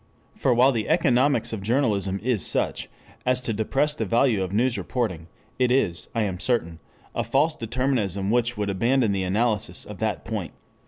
For while the economics of journalism is such as to depress the value of news reporting, it is, I am certain, a false determinism which would abandon the analysis at that point.